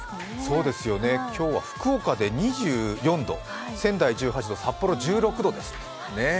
そうですよね、今日は福岡で２４度、仙台１８度、札幌１６度です。